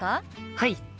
はい。